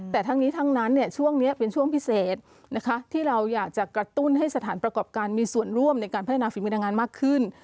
แต่ทั้งนี้ทั้งนั้นช่วงนี้เป็นช่วงพิเศษนะคะที่เราอยากจะกระตุ้นให้สถานประกอบการมีส่วนร่วมในการพัฒนาฝีมือแรงงานมากขึ้น